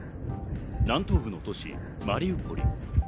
南東部の都市マリウポリ。